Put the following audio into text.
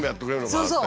そうそう。